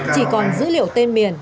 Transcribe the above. chỉ còn dữ liệu tên miền